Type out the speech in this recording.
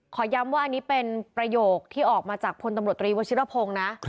ย้ำว่าอันนี้เป็นประโยคที่ออกมาจากพลตำรวจตรีวชิรพงศ์นะ